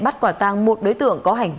bắt quả tăng một đối tượng có hành vi